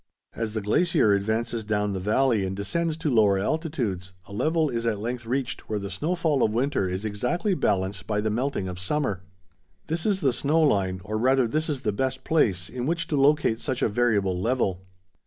As the glacier advances down the valley and descends to lower altitudes, a level is at length reached where the snowfall of winter is exactly balanced by the melting of summer. This is the snow line, or rather this is the best place in which to locate such a variable level.